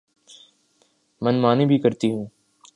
من مانی بھی کرتی ہوں۔